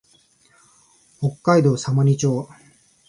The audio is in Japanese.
北海道様似町